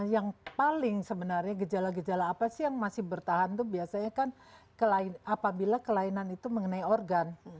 yang paling sebenarnya gejala gejala apa sih yang masih bertahan itu biasanya kan apabila kelainan itu mengenai organ